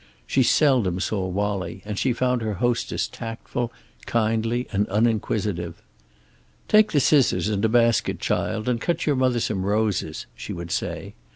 She seldom saw Wallie, and she found her hostess tactful, kindly and uninquisitive. "Take the scissors and a basket, child, and cut your mother some roses," she would say.